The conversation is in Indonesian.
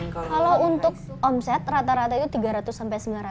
kalau untuk omset rata rata itu tiga ratus sampai sembilan ratus